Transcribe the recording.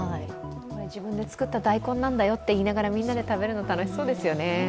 自分で作った大根なんだよと言いながら、みんなで食べるのは楽しそうですよね。